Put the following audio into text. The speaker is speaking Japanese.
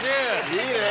いいね！